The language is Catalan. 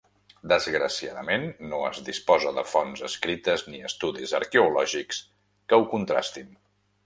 Desgraciadament no es disposa de fonts escrites ni estudis arqueològics que ho contrastin.